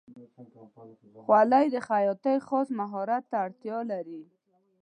خولۍ د خیاطۍ خاص مهارت ته اړتیا لري.